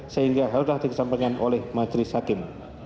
sehingga hal hal disampaikan oleh majelis hakim